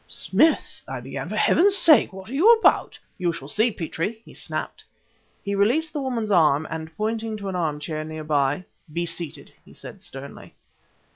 "Smith!" I began, "for Heaven's sake what are you about?" "You shall see, Petrie!" he snapped. He released the woman's arm, and pointing to an arm chair near by "Be seated," he said sternly.